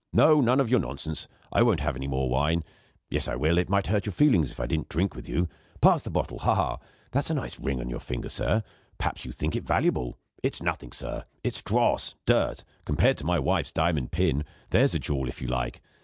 No; none of your nonsense I won't have any more wine. Yes, I will; it might hurt your feelings if I didn't drink with you. Pass the bottle. Ha! That's a nice ring you've got on your finger. Perhaps you think it valuable? It's nothing, sir; it's dross, it's dirt, compared to my wife's diamond pin! There's a jewel, if you like!